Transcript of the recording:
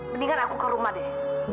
mendingan aku ke rumah deh